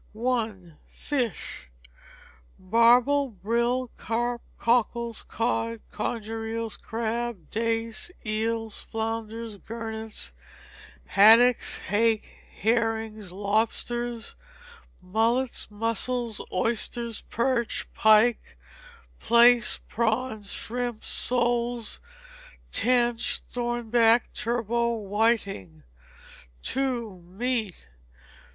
i. Fish. Barbel, brill, carp, cockles, cod, conger eels, crab, dace, eels, flounders, gurnets, haddocks, hake, herrings, lobsters, mullet, mussels, oysters, perch, pike, plaice, prawns, shrimps, soles, tench, thornback, turbot, whiting. ii. Meat.